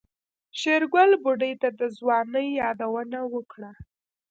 شېرګل بوډۍ ته د ځوانۍ يادونه وکړه.